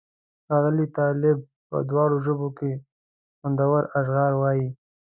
ښاغلی طالب په دواړو ژبو کې خوندور اشعار وایي.